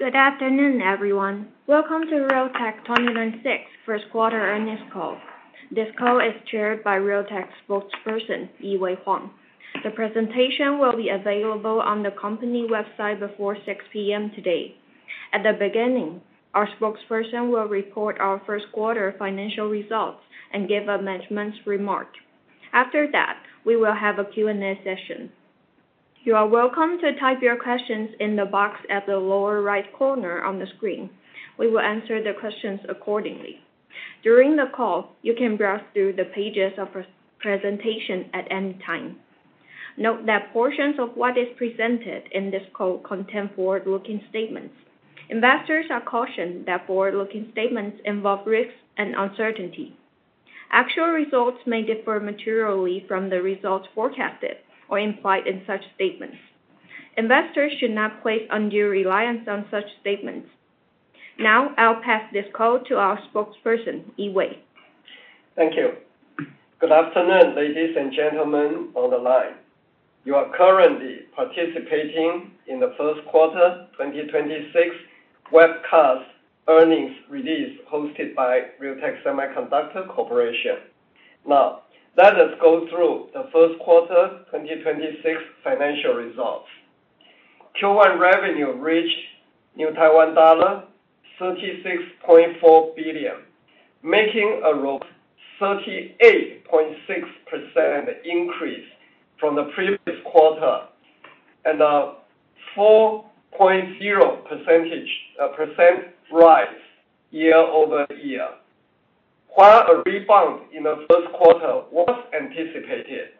Good afternoon, everyone. Welcome to Realtek 2026 first quarter earnings call. This call is chaired by Realtek spokesperson, Yee-Wei Huang. The presentation will be available on the company website before 6:00 A.M. today. At the beginning, our spokesperson will report our first quarter financial results and give a management's remark. After that, we will have a Q&A session. You are welcome to type your questions in the box at the lower right corner on the screen. We will answer the questions accordingly. During the call, you can browse through the pages of presentation at any time. Note that portions of what is presented in this call contain forward-looking statements. Investors are cautioned that forward-looking statements involve risks and uncertainty. Actual results may differ materially from the results forecasted or implied in such statements. Investors should not place undue reliance on such statements. Now, I'll pass this call to our Spokesperson, Yee-Wei. Thank you. Good afternoon, ladies and gentlemen on the line. You are currently participating in the first quarter 2026 webcast earnings release hosted by Realtek Semiconductor Corporation. Now, let us go through the first quarter 2026 financial results. Q1 revenue reached Taiwan dollar 36.4 billion, making a 38.6% increase from the previous quarter and a 4.0 percentage points rise year-over-year. While a rebound in the first quarter was anticipated,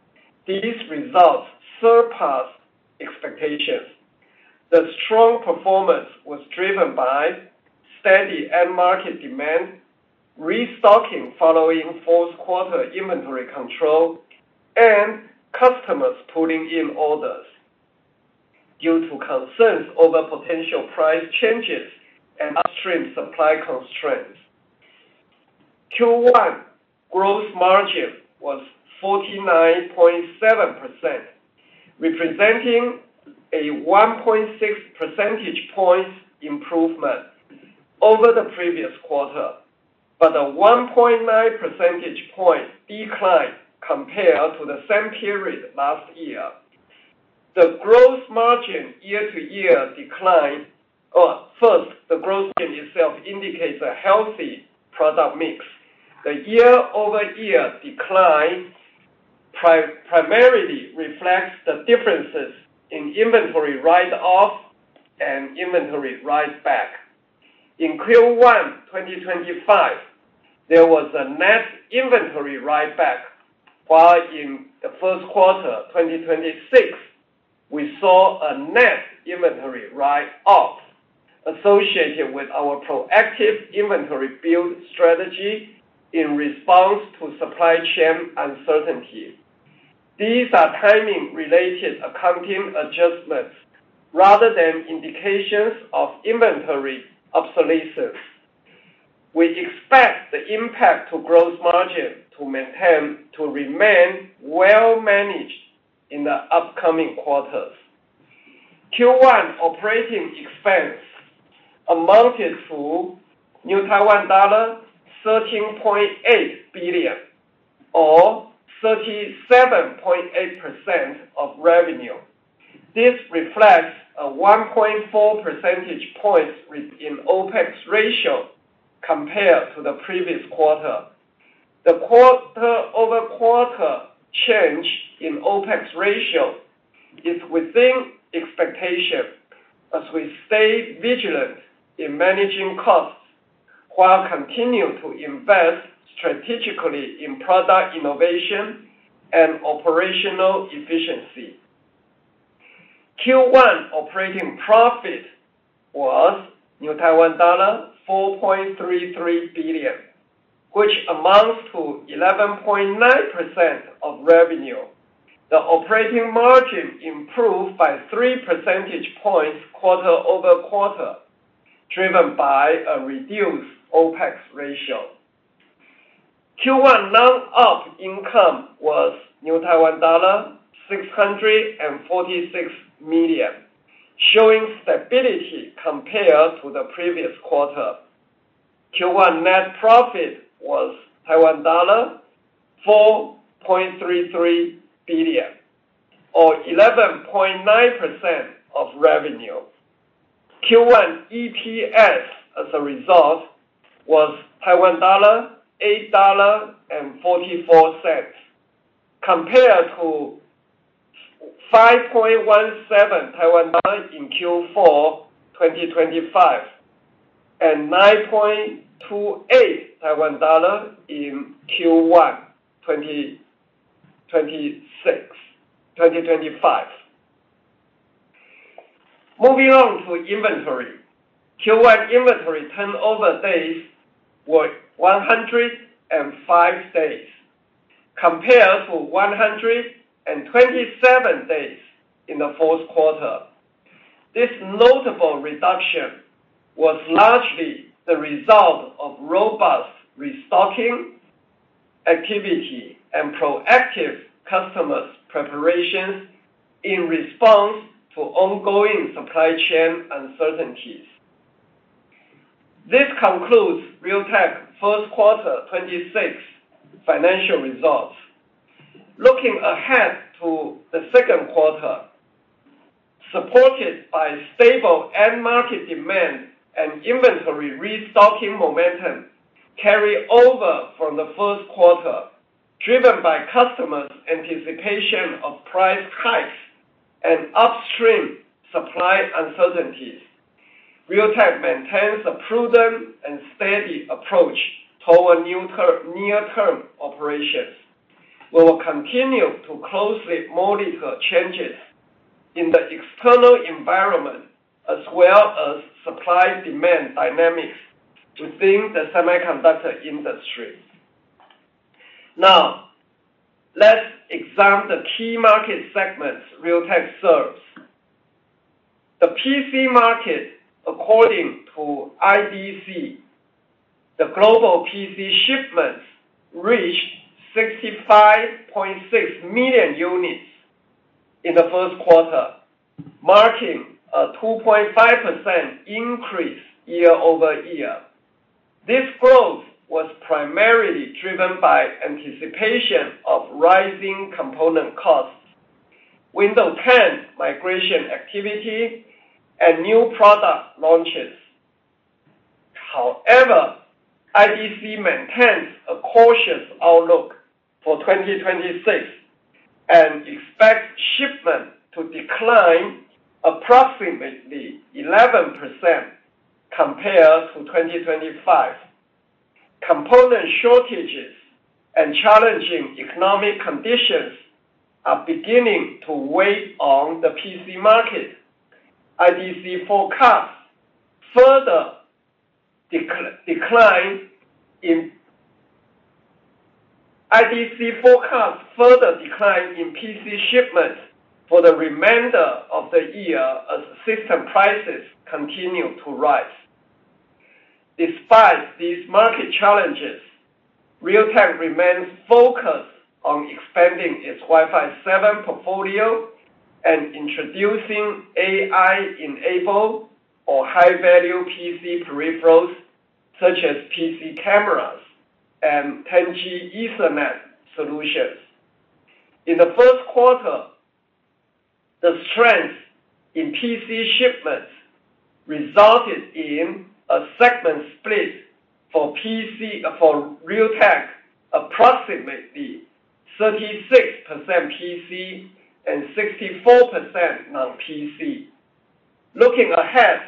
these results surpass expectations. The strong performance was driven by steady end market demand, restocking following fourth quarter inventory control, and customers pulling in orders due to concerns over potential price changes and upstream supply constraints. Q1 gross margin was 49.7%, representing a 1.6 percentage points improvement over the previous quarter. A 1.9 percentage point decline compared to the same period last year. The gross margin year-to-year decline. First, the gross margin itself indicates a healthy product mix. The year-over-year decline primarily reflects the differences in inventory write-off and inventory write-back. In Q1 2025, there was a net inventory write-back, while in the first quarter 2026, we saw a net inventory write-off associated with our proactive inventory build strategy in response to supply chain uncertainty. These are timing-related accounting adjustments rather than indications of inventory obsolescence. We expect the impact to gross margin to remain well managed in the upcoming quarters. Q1 operating expense amounted to TWD 13.8 billion or 37.8% of revenue. This reflects a 1.4 percentage points in OPEX ratio compared to the previous quarter. The quarter-over-quarter change in OPEX ratio is within expectation as we stay vigilant in managing costs while continuing to invest strategically in product innovation and operational efficiency. Q1 operating profit was Taiwan dollar 4.33 billion, which amounts to 11.9% of revenue. The operating margin improved by 3 percentage points quarter-over-quarter, driven by a reduced OPEX ratio. Q1 non-GAAP income was Taiwan dollar 646 million, showing stability compared to the previous quarter. Q1 net profit was Taiwan dollar 4.33 billion or 11.9% of revenue. Q1 EPS, as a result, was 8.44 dollar compared to 5.17 Taiwan dollar in Q4 2025, and 9.28 Taiwan dollar in Q1 2025. Moving on to inventory. Q1 inventory turnover days were 105 days compared to 127 days in the fourth quarter. This notable reduction was largely the result of robust restocking activity and proactive customers' preparations in response to ongoing supply chain uncertainties. This concludes Realtek first quarter 2026 financial results. Looking ahead to the second quarter, supported by stable end market demand and inventory restocking momentum carry over from the first quarter, driven by customers' anticipation of price hikes and upstream supply uncertainties. Realtek maintains a prudent and steady approach toward near-term operations. We will continue to closely monitor changes in the external environment, as well as supply-demand dynamics within the semiconductor industry. Let's examine the key market segments Realtek serves. The PC market, according to IDC, the global PC shipments reached 65.6 million units in the first quarter, marking a 2.5% increase year-over-year. This growth was primarily driven by anticipation of rising component costs, Windows 10 migration activity, and new product launches. IDC maintains a cautious outlook for 2026, and expects shipments to decline approximately 11% compared to 2025. Component shortages and challenging economic conditions are beginning to weigh on the PC market. IDC forecasts further decline in PC shipments for the remainder of the year as system prices continue to rise. Despite these market challenges, Realtek remains focused on expanding its Wi-Fi 7 portfolio and introducing AI-enabled or high-value PC peripherals, such as PC cameras and 10G Ethernet solutions. In the first quarter, the strength in PC shipments resulted in a segment split for PC for Realtek, approximately 36% PC and 64% non-PC. Looking ahead,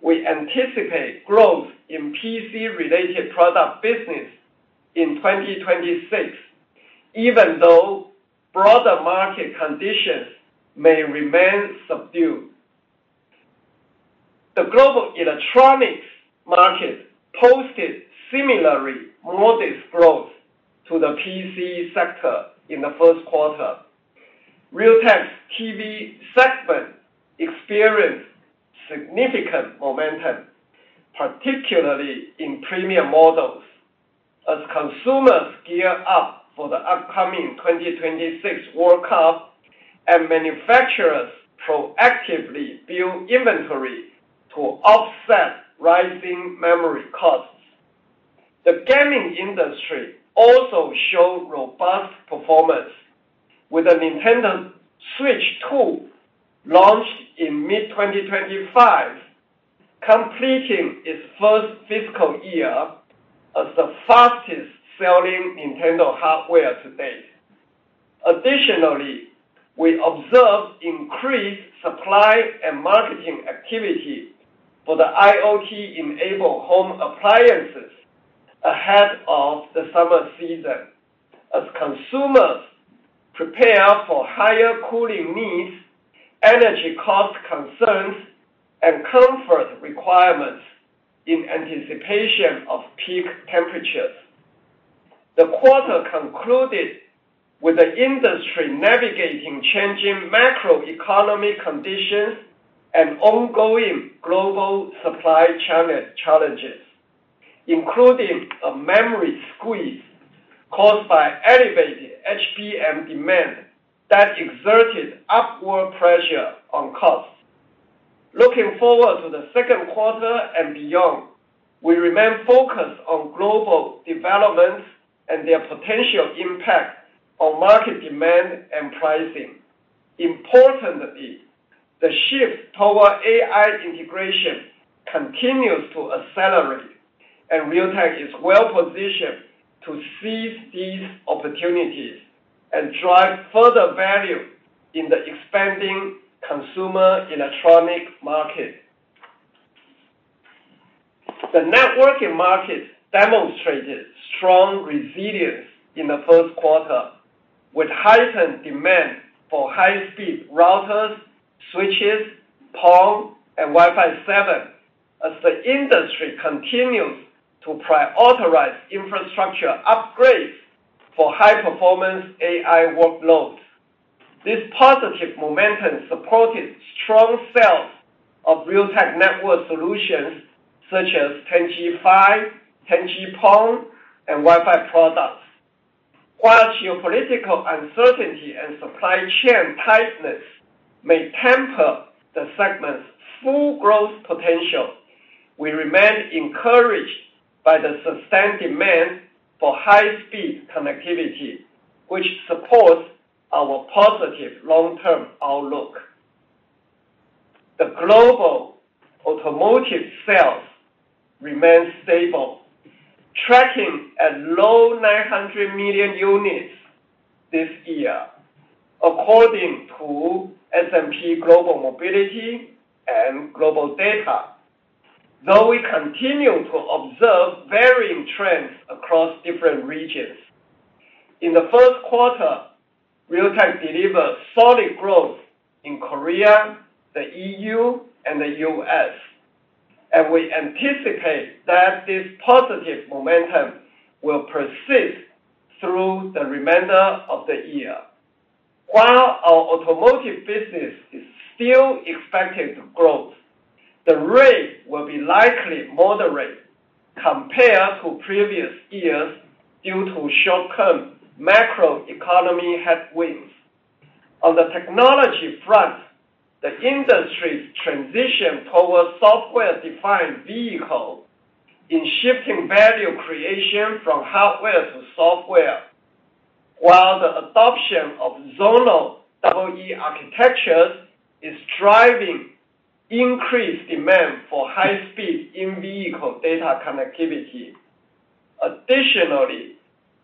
we anticipate growth in PC-related product business in 2026, even though broader market conditions may remain subdued. The global electronics market posted similarly modest growth to the PC sector in the first quarter. Realtek's TV segment experienced significant momentum, particularly in premium models, as consumers gear up for the upcoming 2026 FIFA World Cup and manufacturers proactively build inventory to offset rising memory costs. The gaming industry also showed robust performance, with the Nintendo Switch 2 launched in mid-2025, completing its first fiscal year as the fastest-selling Nintendo hardware to date. Additionally, we observed increased supply and marketing activity for the IoT-enabled home appliances ahead of the summer season as consumers prepare for higher cooling needs, energy cost concerns, and comfort requirements in anticipation of peak temperatures. The quarter concluded with the industry navigating changing macroeconomic conditions and ongoing global supply chain challenges, including a memory squeeze caused by elevated HBM demand that exerted upward pressure on costs. Looking forward to the second quarter and beyond, we remain focused on global developments and their potential impact on market demand and pricing. Importantly, the shift toward AI integration continues to accelerate, and Realtek is well positioned to seize these opportunities and drive further value in the expanding consumer electronic market. The networking market demonstrated strong resilience in the first quarter, with heightened demand for high-speed routers, switches, PON, and Wi-Fi 7 as the industry continues to prioritize infrastructure upgrades for high-performance AI workloads. This positive momentum supported strong sales of Realtek network solutions such as 10GbE, 10G-PON, and Wi-Fi products. While geopolitical uncertainty and supply chain tightness may temper the segment's full growth potential, we remain encouraged by the sustained demand for high-speed connectivity, which supports our positive long-term outlook. The global automotive sales remain stable, tracking at low 900 million units this year according to S&P Global Mobility and GlobalData, though we continue to observe varying trends across different regions. In the first quarter, Realtek delivered solid growth in Korea, the EU, and the U.S., and we anticipate that this positive momentum will persist through the remainder of the year. While our automotive business is still expected to grow, the rate will be likely moderate compared to previous years due to short-term macro economy headwinds. On the technology front, the industry's transition towards software-defined vehicle is shifting value creation from hardware to software, while the adoption of zonal E/E architectures is driving increased demand for high-speed in-vehicle data connectivity. Additionally,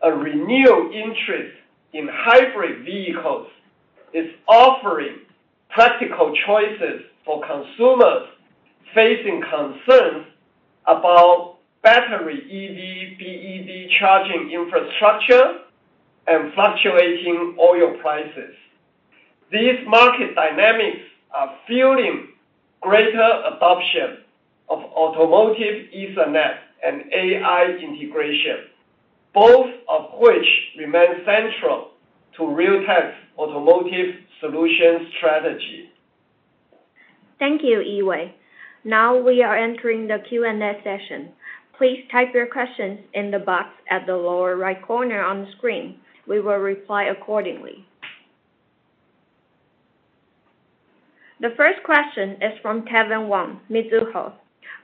a renewed interest in hybrid vehicles is offering practical choices for consumers facing concerns about battery EV, BEV charging infrastructure, and fluctuating oil prices. These market dynamics are fueling greater adoption of automotive Ethernet and AI integration, both of which remain central to Realtek's automotive solutions strategy. Thank you, Yee-Wei. Now we are entering the Q&A session. Please type your questions in the box at the lower right corner on the screen. We will reply accordingly. The first question is from Kevin Wang, Mizuho.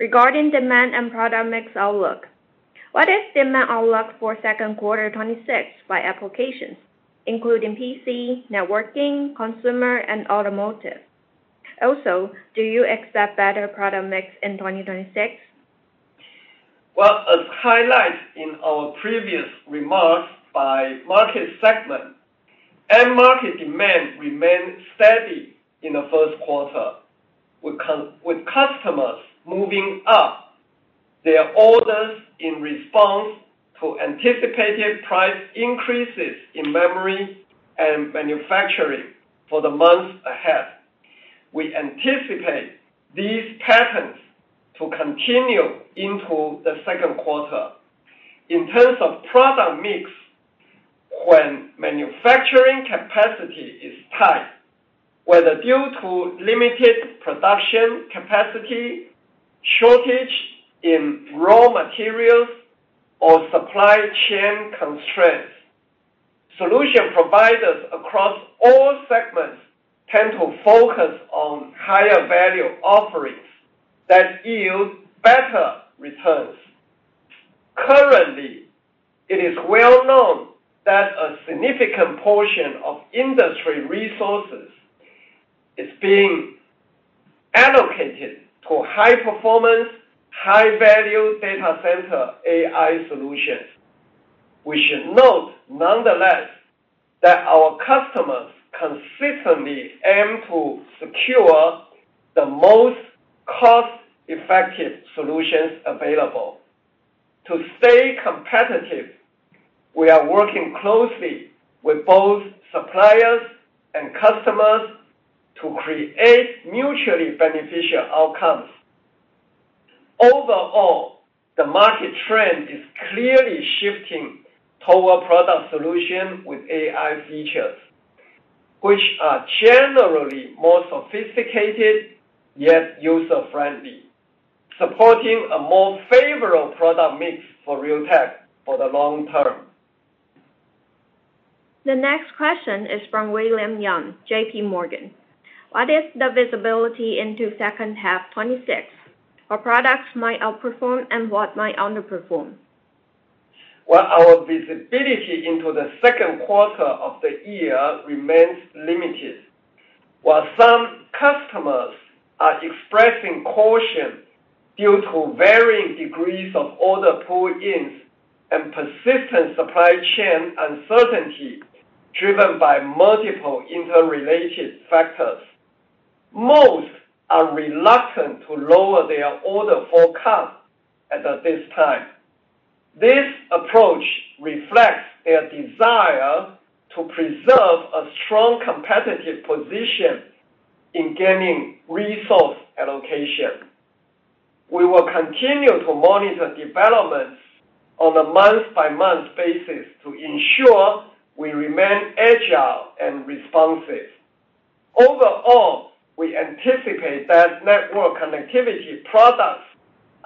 Regarding demand and product mix outlook, what is demand outlook for second quarter 2026 by applications, including PC, networking, consumer, and automotive? Also, do you expect better product mix in 2026? Well, as highlighted in our previous remarks by market segment, end market demand remained steady in the first quarter. With customers moving up their orders in response to anticipated price increases in memory and manufacturing for the months ahead. We anticipate these patterns to continue into the second quarter. In terms of product mix, when manufacturing capacity is tight, whether due to limited production capacity, shortage in raw materials, or supply chain constraints, solution providers across all segments tend to focus on higher value offerings that yield better returns. Currently, it is well known that a significant portion of industry resources is being allocated to high performance, high value data center AI solutions. We should note, nonetheless, that our customers consistently aim to secure the most cost-effective solutions available. To stay competitive, we are working closely with both suppliers and customers to create mutually beneficial outcomes. Overall, the market trend is clearly shifting toward product solution with AI features, which are generally more sophisticated, yet user-friendly, supporting a more favorable product mix for Realtek for the long term. The next question is from William Young, JPMorgan. What is the visibility into second half 2026? What products might outperform and what might underperform? Well, our visibility into the second quarter of the year remains limited. While some customers are expressing caution due to varying degrees of order pull-ins and persistent supply chain uncertainty driven by multiple interrelated factors, most are reluctant to lower their order forecast at this time. This approach reflects their desire to preserve a strong competitive position in gaining resource allocation. We will continue to monitor developments on a month-by-month basis to ensure we remain agile and responsive. Overall, we anticipate that network connectivity products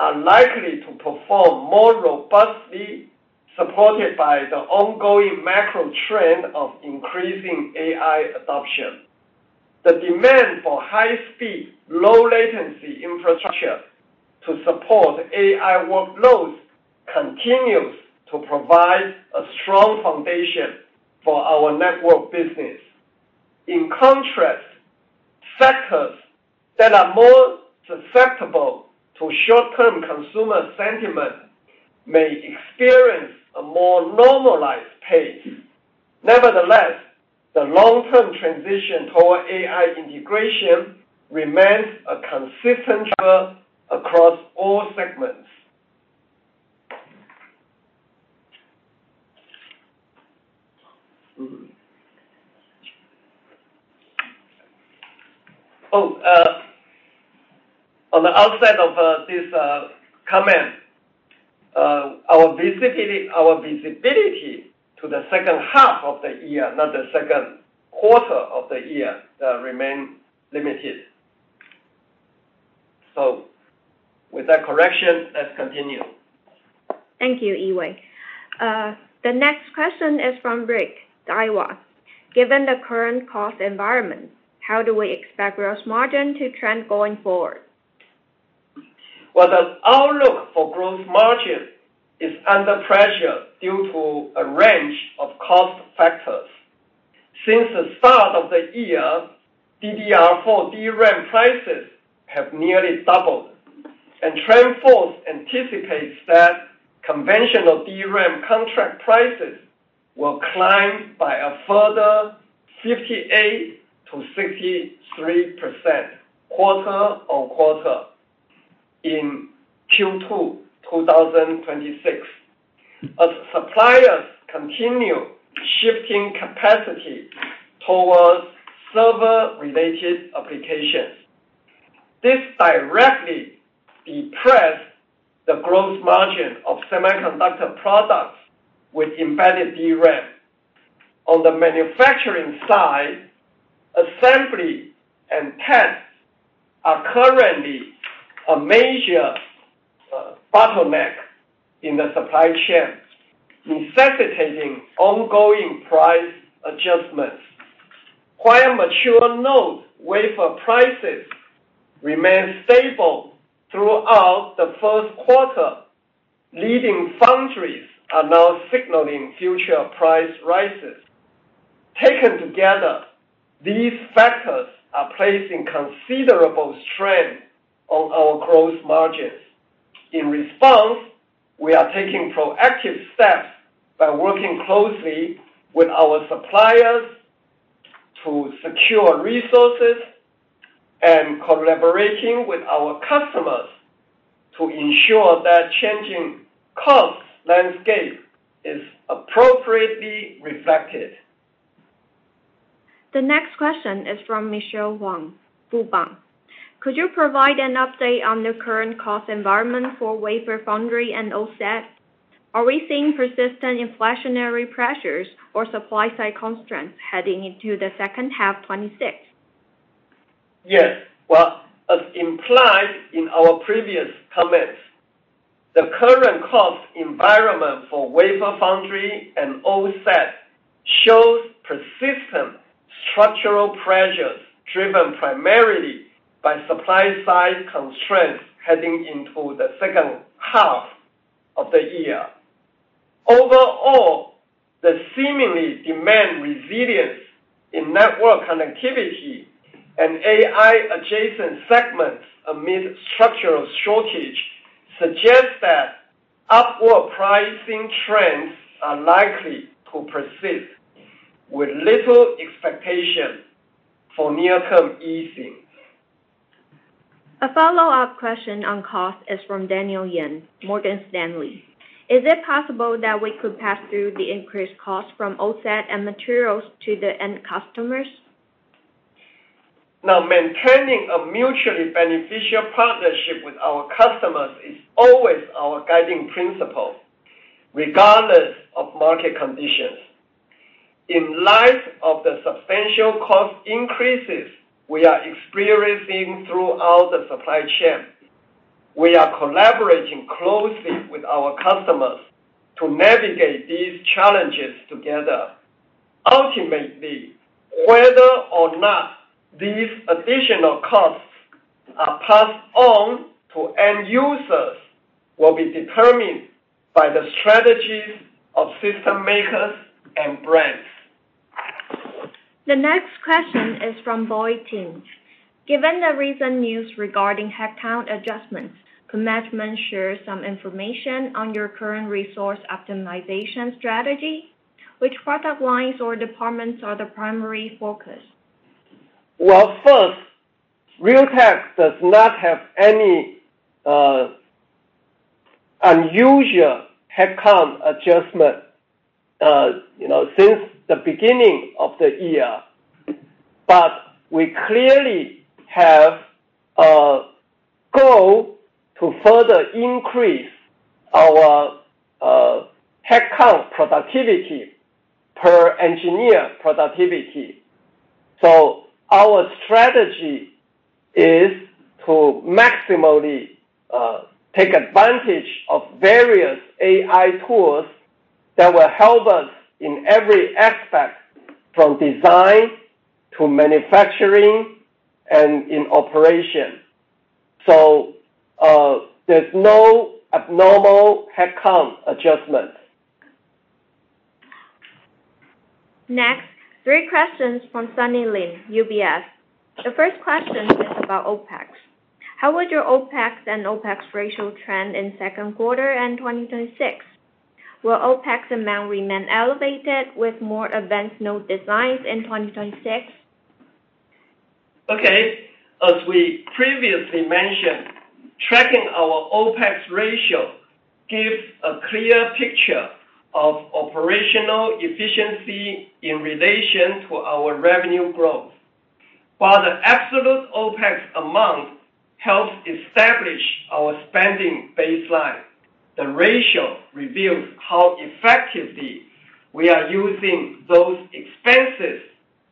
are likely to perform more robustly, supported by the ongoing macro trend of increasing AI adoption. The demand for high speed, low latency infrastructure to support AI workloads continues to provide a strong foundation for our network business. In contrast, sectors that are more susceptible to short-term consumer sentiment may experience a more normalized pace. Nevertheless, the long-term transition toward AI integration remains a consistent driver across all segments. On the outside of this comment, our visibility to the second half of the year, not the second quarter of the year, remain limited. With that correction, let's continue. Thank you, Yee-Wei. The next question is from Rick, Daiwa. Given the current cost environment, how do we expect gross margin to trend going forward? Well, the outlook for gross margin is under pressure due to a range of cost factors. Since the start of the year, DDR for DRAM prices have nearly doubled, and TrendForce anticipates that conventional DRAM contract prices will climb by a further 58%-63% quarter-on-quarter in Q2 2026 as suppliers continue shifting capacity towards server-related applications. This directly depresses the gross margin of semiconductor products with embedded DRAM. On the manufacturing side, assembly and tests are currently a major bottleneck in the supply chain, necessitating ongoing price adjustments. While Mature node wafer prices remain stable throughout the first quarter. Leading foundries are now signaling future price rises. Taken together, these factors are placing considerable strain on our gross margins. In response, we are taking proactive steps by working closely with our suppliers to secure resources and collaborating with our customers to ensure that changing cost landscape is appropriately reflected. The next question is from Michelle Huang, Fubon. Could you provide an update on the current cost environment for wafer foundry and OSAT? Are we seeing persistent inflationary pressures or supply-side constraints heading into the second half 2026? Yes. Well, as implied in our previous comments, the current cost environment for wafer foundry and OSAT shows persistent structural pressures driven primarily by supply side constraints heading into the second half of the year. The seemingly demand resilience in network connectivity and AI adjacent segments amid structural shortage suggests that upward pricing trends are likely to persist with little expectation for near-term easing. A follow-up question on cost is from Dawei Yin, Morgan Stanley. Is it possible that we could pass through the increased cost from OSAT and materials to the end customers? Maintaining a mutually beneficial partnership with our customers is always our guiding principle, regardless of market conditions. In light of the substantial cost increases we are experiencing throughout the supply chain, we are collaborating closely with our customers to navigate these challenges together. Ultimately, whether or not these additional costs are passed on to end users will be determined by the strategies of system makers and brands. The next question is from Boyd Ting. Given the recent news regarding headcount adjustments, could management share some information on your current resource optimization strategy? Which product lines or departments are the primary focus? First, Realtek does not have any Unusual headcount adjustment, you know, since the beginning of the year. We clearly have a goal to further increase our headcount productivity, per engineer productivity. Our strategy is to maximally take advantage of various AI tools that will help us in every aspect, from design to manufacturing and in operation. There's no abnormal headcount adjustments. Next, three questions from Sunny Lin, UBS. The first question is about OpEx. How would your OpEx and OpEx ratio trend in 2nd quarter and 2026? Will OpEx amount remain elevated with more advanced node designs in 2026? Okay. As we previously mentioned, tracking our OPEX ratio gives a clear picture of operational efficiency in relation to our revenue growth. While the absolute OPEX amount helps establish our spending baseline, the ratio reveals how effectively we are using those expenses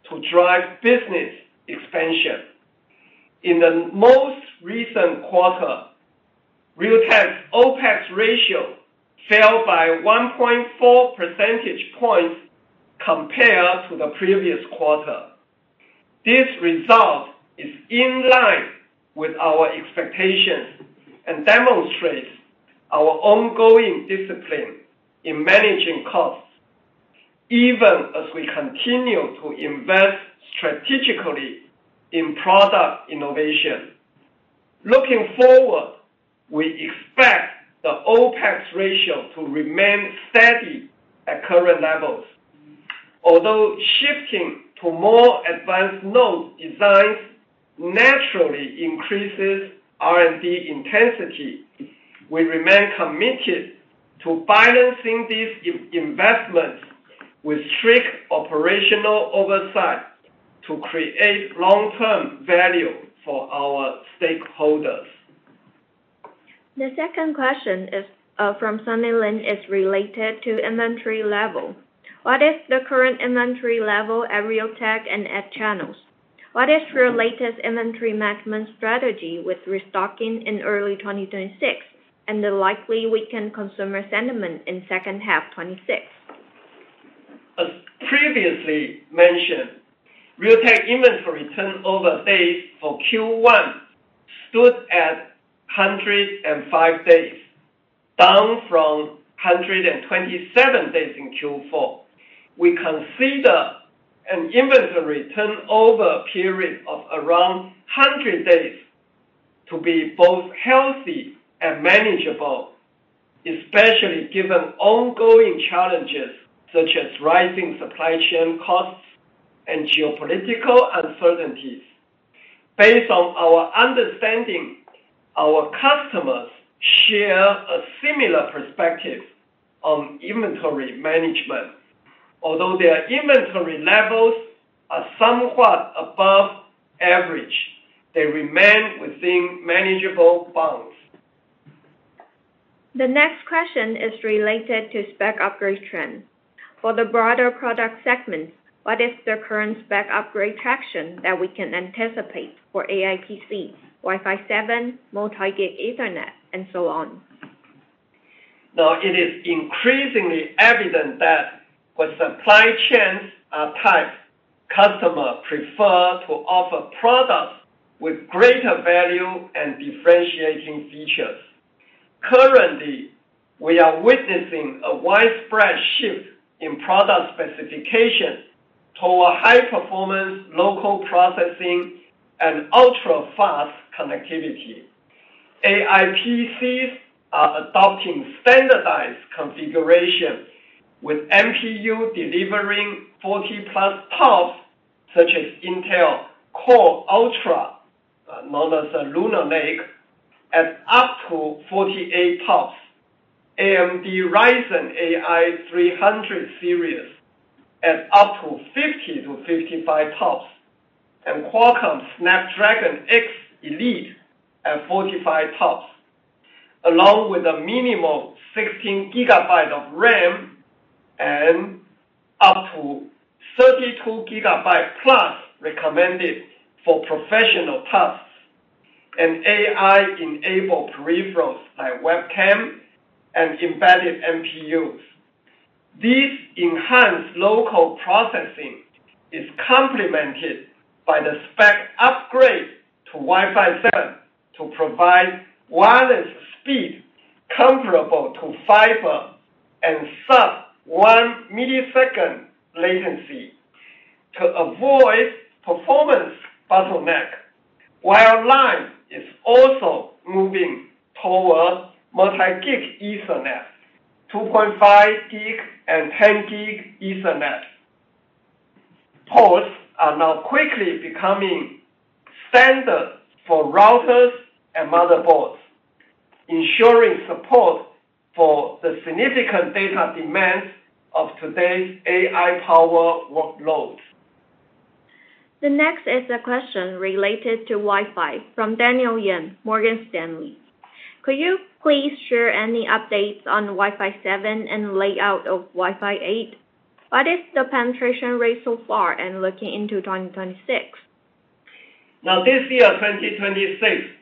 to drive business expansion. In the most recent quarter, Realtek's OPEX ratio fell by 1.4 percentage points compared to the previous quarter. This result is in line with our expectations and demonstrates our ongoing discipline in managing costs, even as we continue to invest strategically in product innovation. Looking forward, we expect the OPEX ratio to remain steady at current levels. Although shifting to more advanced node designs naturally increases R&D intensity, we remain committed to balancing these investments with strict operational oversight to create long-term value for our stakeholders. The second question is from Sunny Lin, is related to inventory level. What is the current inventory level at Realtek and at channels? What is your latest inventory maximum strategy with restocking in early 2026 and the likely weakened consumer sentiment in second half 2026? As previously mentioned, Realtek inventory turnover days for Q1 stood at 105 days, down from 127 days in Q4. We consider an inventory turnover period of around 100 days to be both healthy and manageable, especially given ongoing challenges such as rising supply chain costs and geopolitical uncertainties. Based on our understanding, our customers share a similar perspective on inventory management. Although their inventory levels are somewhat above average, they remain within manageable bounds. The next question is related to spec upgrade trend. For the broader product segments, what is the current spec upgrade traction that we can anticipate for AI PC, Wi-Fi 7, multi-gig Ethernet, and so on? It is increasingly evident that with supply chains tight customer prefer to offer products with greater value and differentiating features. Currently, we are witnessing a widespread shift in product specifications toward high performance local processing and ultra-fast connectivity. AI PCs are adopting standardized configuration with NPU delivering 40-plus TOPS, such as Intel Core Ultra, known as Lunar Lake, at up to 48 TOPS. AMD Ryzen AI 300 Series at up to 50-55 TOPS. Qualcomm Snapdragon X Elite at 45 TOPS. Along with a minimum 16 GB of RAM and up to 32 GB+ recommended for professional tasks. AI-enabled peripherals like webcam and embedded NPUs. This enhanced local processing is complemented by the spec upgrade to Wi-Fi 7 to provide wireless speed comparable to fiber and sub-1 millisecond latency to avoid performance bottleneck. Wireline is also moving toward multi-gig Ethernet, 2.5G and 10G Ethernet. Ports are now quickly becoming standard for routers and motherboards, ensuring support for the significant data demands of today's AI power workloads. The next is a question related to Wi-Fi from Dawei Yin, Morgan Stanley. Could you please share any updates on Wi-Fi 7 and layout of Wi-Fi 8? What is the penetration rate so far and looking into 2026? This year, 2026,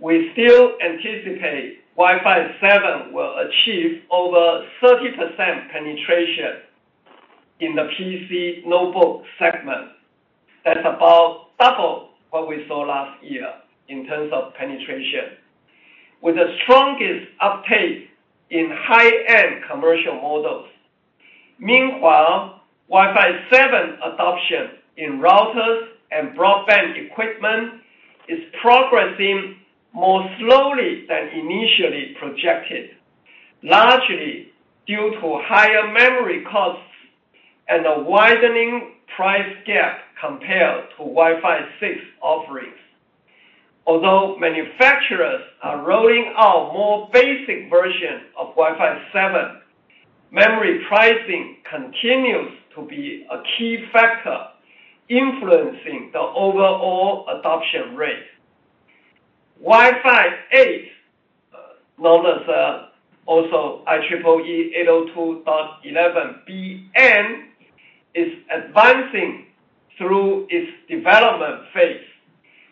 we still anticipate Wi-Fi 7 will achieve over 30% penetration in the PC notebook segment. That's about double what we saw last year in terms of penetration, with the strongest uptake in high-end commercial models. Meanwhile, Wi-Fi 7 adoption in routers and broadband equipment is progressing more slowly than initially projected, largely due to higher memory costs and a widening price gap compared to Wi-Fi 6 offerings. Although manufacturers are rolling out more basic version of Wi-Fi 7, memory pricing continues to be a key factor influencing the overall adoption rate. Wi-Fi 8, known as also IEEE 802.11bn, is advancing through its development phase,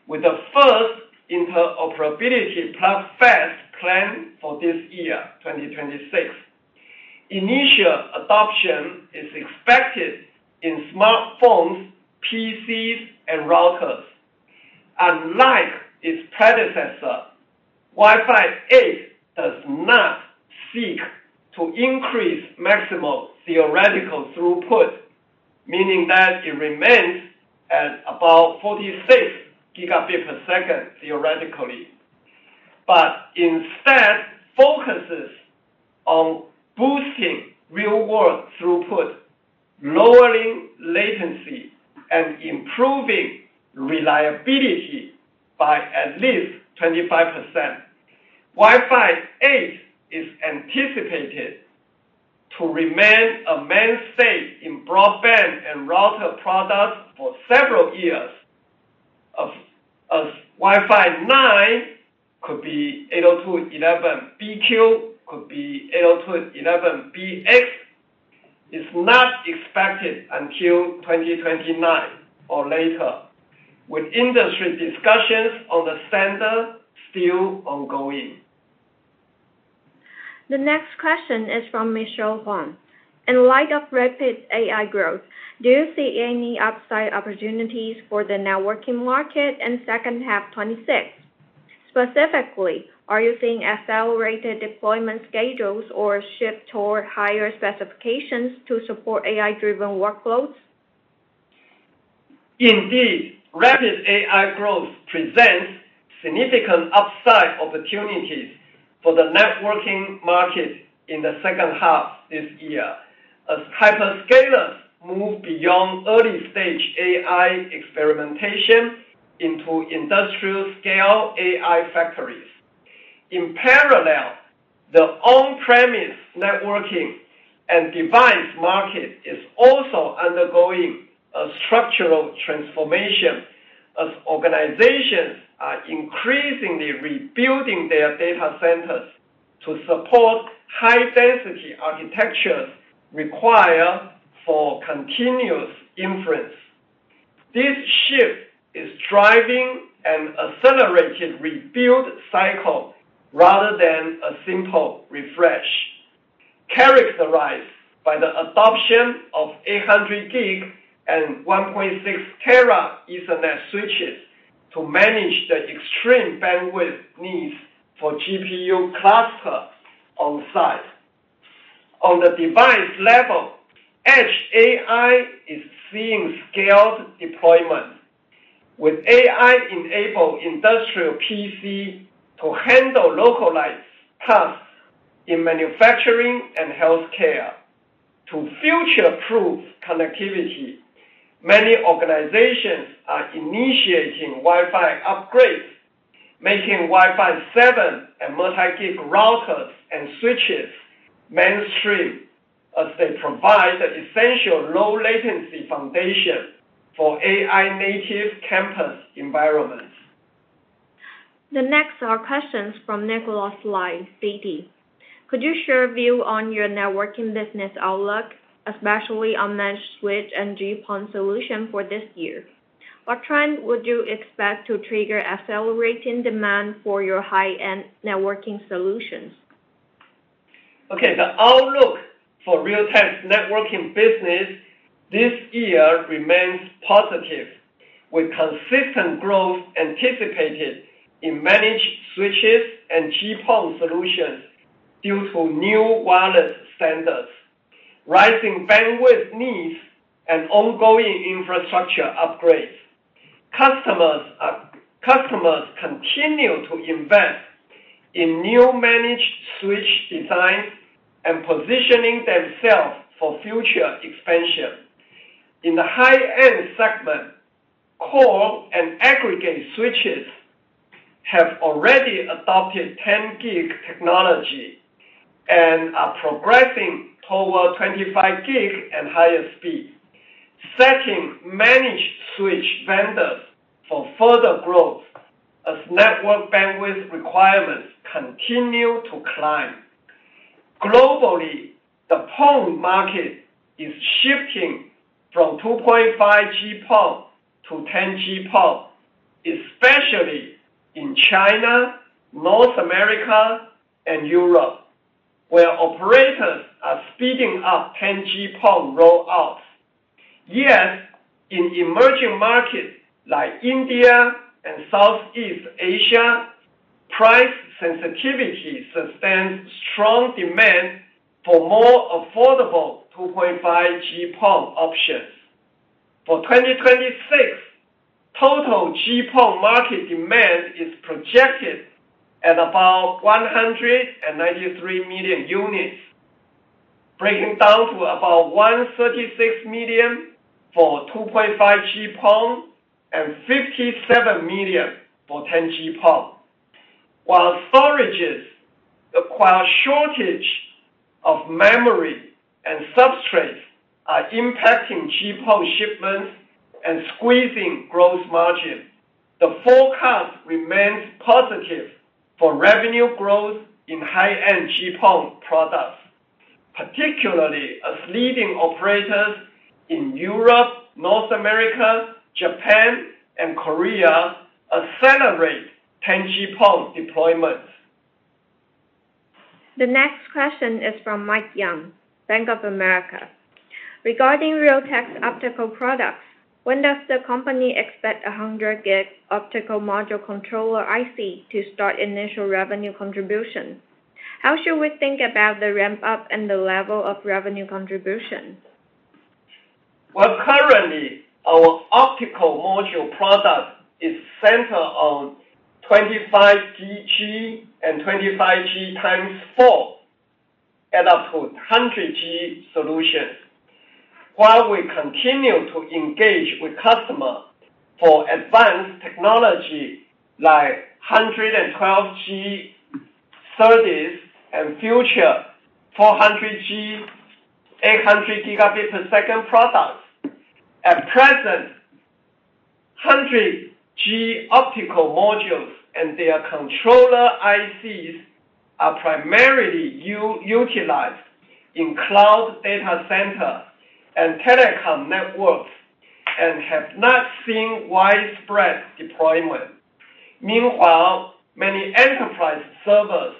with the first interoperability plugfest planned for this year, 2026. Initial adoption is expected in smartphones, PCs, and routers. Unlike its predecessor, Wi-Fi 8 does not seek to increase maximum theoretical throughput, meaning that it remains at about 46 Gbps theoretically, but instead focuses on boosting real-world throughput, lowering latency, and improving reliability by at least 25%. Wi-Fi 8 is anticipated to remain a mainstay in broadband and router products for several years. As Wi-Fi 9 could be 802.11bq, could be 802.11bx, is not expected until 2029 or later, with industry discussions on the standard still ongoing. The next question is from Michelle Huang. In light of rapid AI growth, do you see any upside opportunities for the networking market in second half 2026? Specifically, are you seeing accelerated deployment schedules or shift toward higher specifications to support AI-driven workloads? Indeed, rapid AI growth presents significant upside opportunities for the networking market in the second half this year as hyperscalers move beyond early-stage AI experimentation into industrial-scale AI factories. In parallel, the on-premise networking and device market is also undergoing a structural transformation as organizations are increasingly rebuilding their data centers to support high-density architectures required for continuous inference. This shift is driving an accelerated rebuild cycle rather than a simple refresh, characterized by the adoption of 800 gig and 1.6 tera Ethernet switches to manage the extreme bandwidth needs for GPU cluster on site. On the device level, edge AI is seeing scaled deployment, with AI-enabled industrial PC to handle localized tasks in manufacturing and health care. To future-proof connectivity, many organizations are initiating Wi-Fi upgrades, making Wi-Fi 7 and multi-gig routers and switches mainstream as they provide the essential low-latency foundation for AI native campus environments. The next are questions from Nick Lai, Citi. Could you share view on your networking business outlook, especially on managed switch and GPON solution for this year? What trend would you expect to trigger accelerating demand for your high-end networking solutions? The outlook for Realtek's networking business this year remains positive, with consistent growth anticipated in managed switches and GPON solutions due to new wireless standards, rising bandwidth needs, and ongoing infrastructure upgrades. Customers continue to invest in new managed switch designs and positioning themselves for future expansion. In the high-end segment, core and aggregate switches have already adopted 10 gig technology and are progressing toward 25 gig and higher speed, setting managed switch vendors for further growth as network bandwidth requirements continue to climb. Globally, the PON market is shifting from 2.5G PON to 10G PON, especially in China, North America, and Europe, where operators are speeding up 10G PON rollouts. In emerging markets like India and Southeast Asia, price sensitivity sustains strong demand for more affordable 2.5G PON options. For 2026, total GPON market demand is projected at about 193 million units, breaking down to about 136 million for 2.5G PON and 57 million for 10G PON. While storage and shortage of memory and substrates are impacting GPON shipments and squeezing growth margins, the forecast remains positive for revenue growth in high-end GPON products, particularly as leading operators in Europe, North America, Japan, and Korea accelerate 10G PON deployments. The next question is from Mike Young, Bank of America. Regarding Realtek's optical products, when does the company expect a 100 gig optical module controller IC to start initial revenue contribution? How should we think about the ramp up and the level of revenue contribution? Well, currently, our optical module product is centered on 25G and 25G times four, up to 100G solutions. While we continue to engage with customer for advanced technology like 112G, SerDes, and future 400G, 800 Gb per second products. At present, 100G optical modules and their controller ICs are primarily utilized in cloud data center and telecom networks and have not seen widespread deployment. Meanwhile, many enterprise servers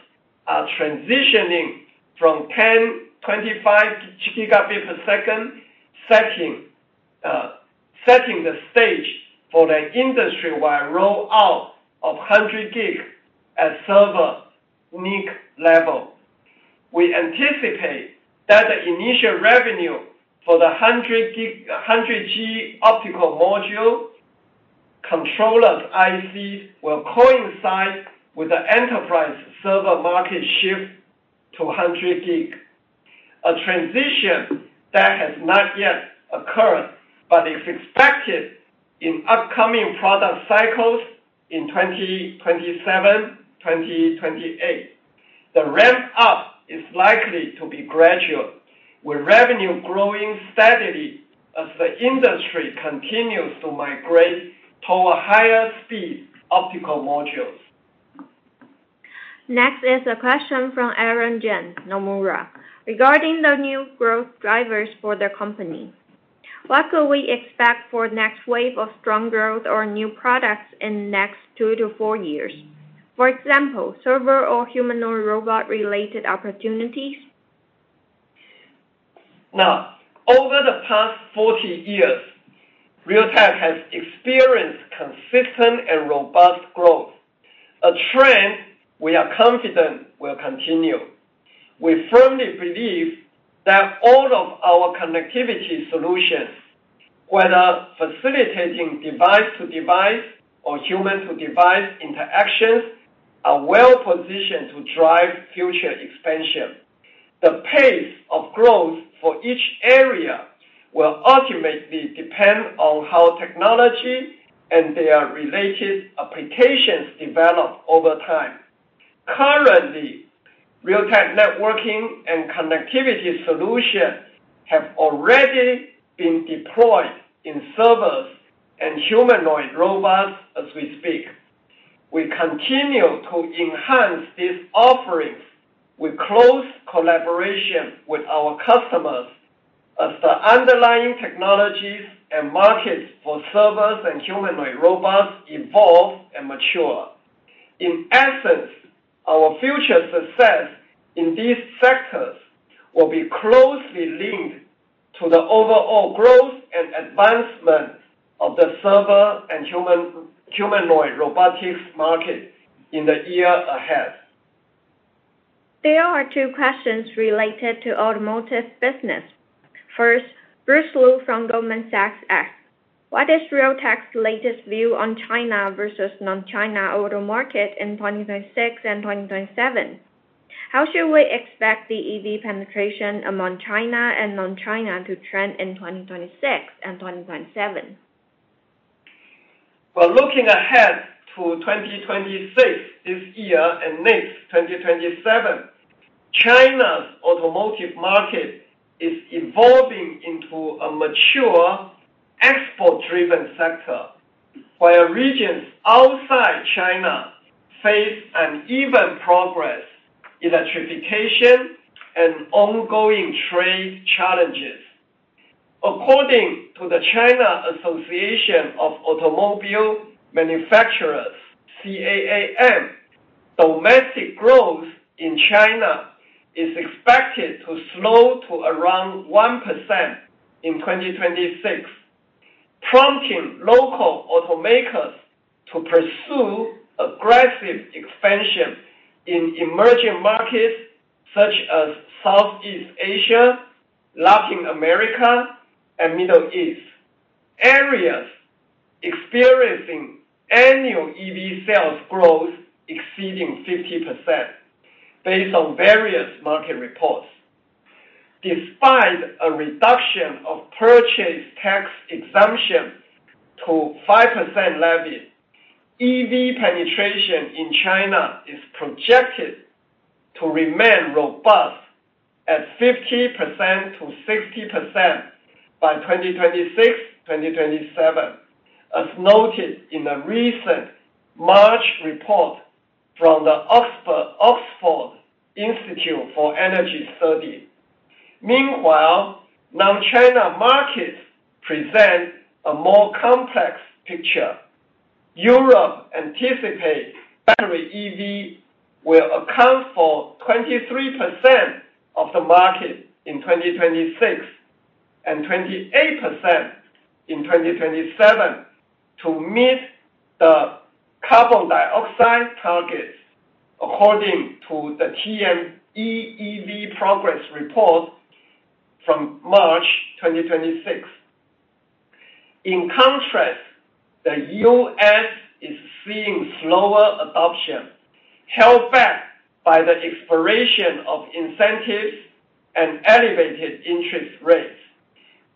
are transitioning from 10 Gb, 25 Gb per second, setting the stage for the industry-wide rollout of 100 gig at server NIC level. We anticipate that the initial revenue for the 100 gig, 100G optical module controller IC will coincide with the enterprise server market shift to 100 gig. A transition that has not yet occurred, but is expected in upcoming product cycles in 2027, 2028. The ramp up is likely to be gradual, with revenue growing steadily as the industry continues to migrate toward higher speed optical modules. Next is a question from Aaron Jeng, Nomura. Regarding the new growth drivers for the company, what could we expect for next wave of strong growth or new products in next two to four years? For example, server or humanoid robot related opportunities. Over the past 40 years, Realtek has experienced consistent and robust growth, a trend we are confident will continue. We firmly believe that all of our connectivity solutions, whether facilitating device to device or human to device interactions, are well positioned to drive future expansion. The pace of growth for each area will ultimately depend on how technology and their related applications develop over time. Currently, Realtek networking and connectivity solutions have already been deployed in servers and humanoid robots as we speak. We continue to enhance these offerings with close collaboration with our customers as the underlying technologies and markets for servers and humanoid robots evolve and mature. Our future success in these sectors will be closely linked to the overall growth and advancement of the server and humanoid robotics market in the year ahead. There are two questions related to automotive business. First, Bruce Lu from Goldman Sachs asks, "What is Realtek's latest view on China versus non-China auto market in 2026 and 2027? How should we expect the EV penetration among China and non-China to trend in 2026 and 2027? Well, looking ahead to 2026, this year, and next, 2027, China's automotive market is evolving into a mature export-driven sector, where regions outside China face an even progress, electrification, and ongoing trade challenges. According to the China Association of Automobile Manufacturers, CAAM, domestic growth in China is expected to slow to around 1% in 2026, prompting local automakers to pursue aggressive expansion in emerging markets such as Southeast Asia, Latin America, and Middle East. Areas experiencing annual EV sales growth exceeding 50% based on various market reports. Despite a reduction of purchase tax exemption to 5% levy, EV penetration in China is projected to remain robust at 50%-60% by 2026, 2027, as noted in a recent March report from the Oxford Institute for Energy Studies. Meanwhile, non-China markets present a more complex picture. Europe anticipate battery EV will account for 23% of the market in 2026, and 28% in 2027 to meet the carbon dioxide targets, according to the T&E EV progress report from March 2026. In contrast, the U.S. is seeing slower adoption, held back by the expiration of incentives and elevated interest rates.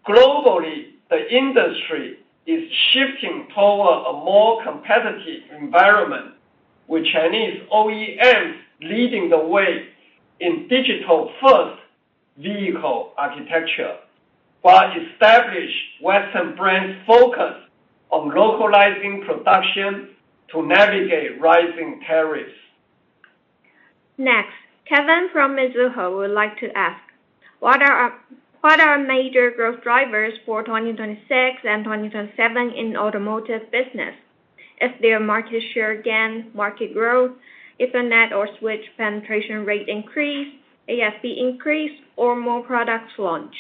Globally, the industry is shifting toward a more competitive environment, with Chinese OEMs leading the way in digital-first vehicle architecture, while established Western brands focus on localizing production to navigate rising tariffs. Next, Kevin from Mizuho would like to ask, "What are our major growth drivers for 2026 and 2027 in automotive business? If their market share gain, market growth, Ethernet or switch penetration rate increase, ASP increase, or more products launch?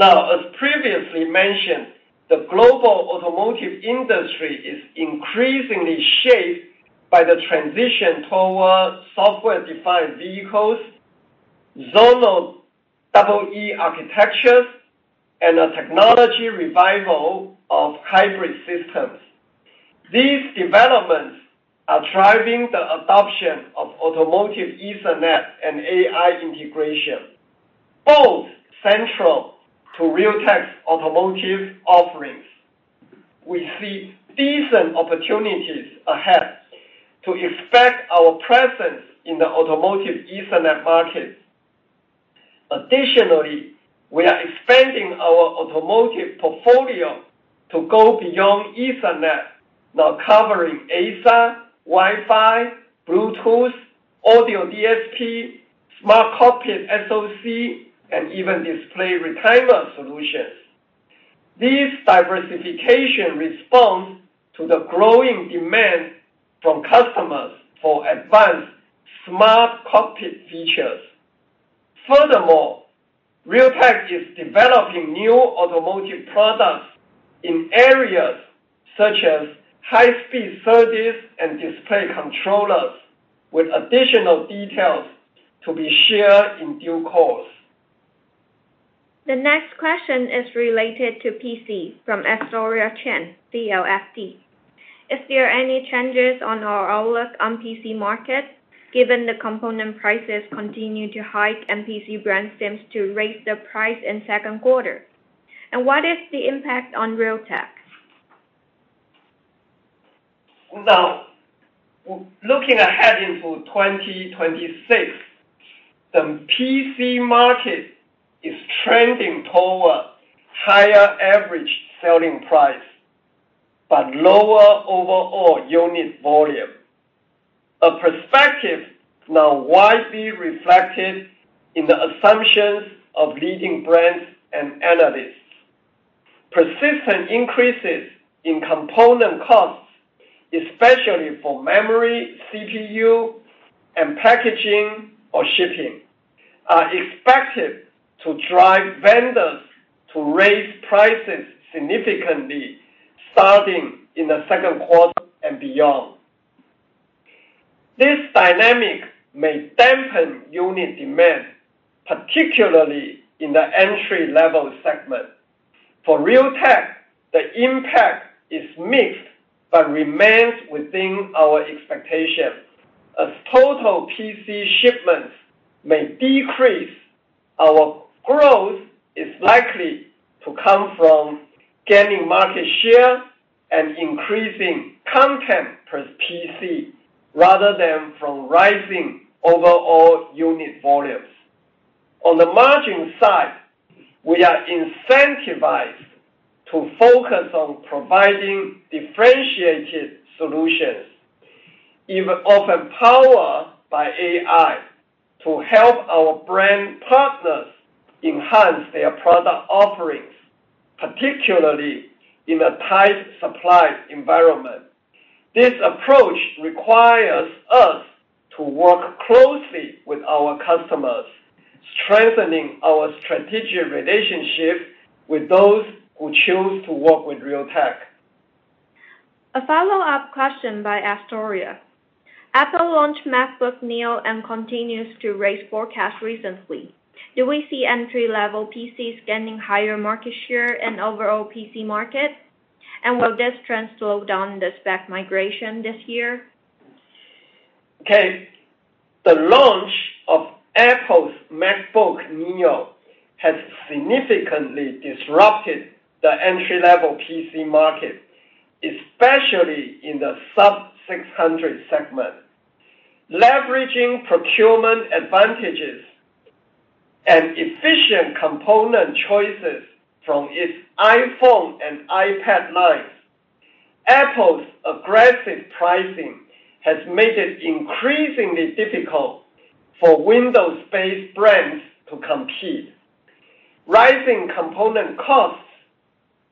As previously mentioned, the global automotive industry is increasingly shaped by the transition toward software-defined vehicles, zonal E/E architectures, and a technology revival of hybrid systems. These developments are driving the adoption of automotive Ethernet and AI integration, both central to Realtek's automotive offerings. We see decent opportunities ahead to expand our presence in the automotive Ethernet market. Additionally, we are expanding our automotive portfolio to go beyond Ethernet, now covering A2B, Wi-Fi, Bluetooth, audio DSP, smart cockpit SoC, and even display retimer solutions. This diversification responds to the growing demand from customers for advanced smart cockpit features. Furthermore, Realtek is developing new automotive products in areas such as high-speed SerDes and display controllers, with additional details to be shared in due course. The next question is related to PC from Astoria Chen, CLSA. Is there any changes on our outlook on PC market, given the component prices continue to hike and PC brand seems to raise the price in second quarter? What is the impact on Realtek? Looking ahead into 2026, the PC market is trending toward higher average selling price, but lower overall unit volume. A perspective now widely reflected in the assumptions of leading brands and analysts. Persistent increases in component costs, especially for memory, CPU, and packaging or shipping are expected to drive vendors to raise prices significantly starting in the second quarter and beyond. This dynamic may dampen unit demand, particularly in the entry-level segment. For Realtek, the impact is mixed, but remains within our expectation. As total PC shipments may decrease, our growth is likely to come from gaining market share and increasing content per PC rather than from rising overall unit volumes. On the margin side, we are incentivized to focus on providing differentiated solutions, even often powered by AI, to help our brand partners enhance their product offerings, particularly in a tight supply environment. This approach requires us to work closely with our customers, strengthening our strategic relationship with those who choose to work with Realtek. A follow-up question by Astoria. Apple launched MacBook Neo and continues to raise forecast recently. Do we see entry-level PCs gaining higher market share in overall PC market? Will this trend slow down the spec migration this year? Okay. The launch of Apple's MacBook Neo has significantly disrupted the entry-level PC market, especially in the sub 600 segment. Leveraging procurement advantages and efficient component choices from its iPhone and iPad lines, Apple's aggressive pricing has made it increasingly difficult for Windows-based brands to compete. Rising component costs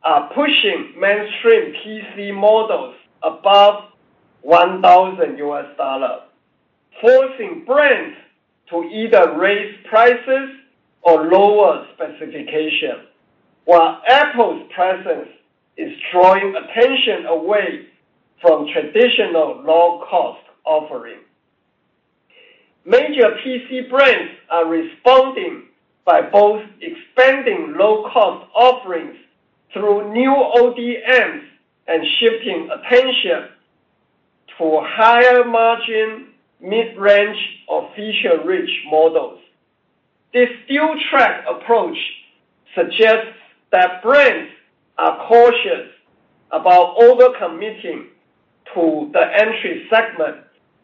are pushing mainstream PC models above $1,000, forcing brands to either raise prices or lower specification, while Apple's presence is drawing attention away from traditional low-cost offering. Major PC brands are responding by both expanding low-cost offerings through new ODMs and shifting attention to higher margin mid-range or feature-rich models. This dual-track approach suggests that brands are cautious about over-committing to the entry segment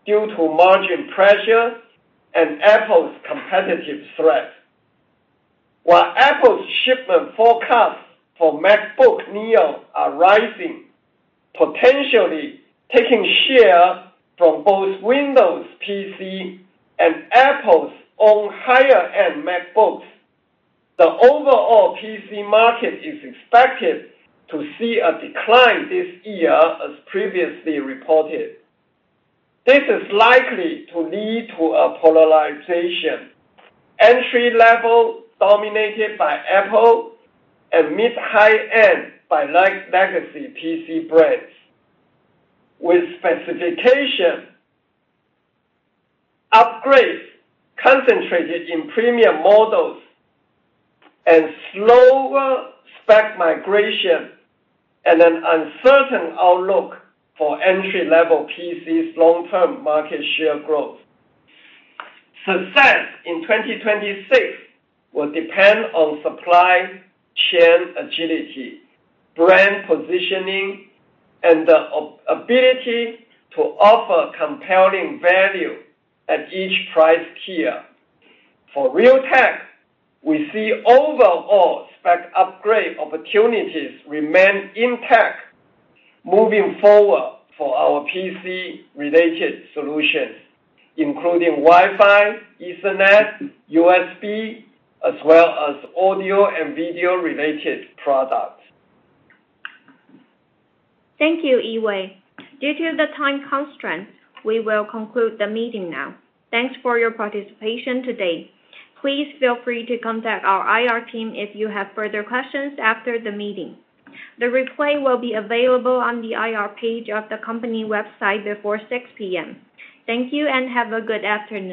due to margin pressure and Apple's competitive threat. While Apple's shipment forecasts for MacBook Neo are rising, potentially taking share from both Windows PC and Apple's own higher-end MacBooks, the overall PC market is expected to see a decline this year as previously reported. This is likely to lead to a polarization. Entry-level dominated by Apple and mid-high end by legacy PC brands. With specification upgrades concentrated in premium models and slower spec migration and an uncertain outlook for entry-level PCs' long-term market share growth. Success in 2026 will depend on supply chain agility, brand positioning, and the ability to offer compelling value at each price tier. For Realtek, we see overall spec upgrade opportunities remain intact moving forward for our PC-related solutions, including Wi-Fi, Ethernet, USB, as well as audio and video-related products. Thank you, Yee-Wei. Due to the time constraints, we will conclude the meeting now. Thanks for your participation today. Please feel free to contact our IR team if you have further questions after the meeting. The replay will be available on the IR page of the company website before 6:00 P.M. Thank you, and have a good afternoon.